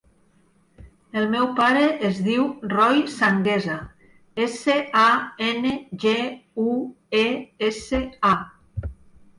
El meu pare es diu Roi Sanguesa: essa, a, ena, ge, u, e, essa, a.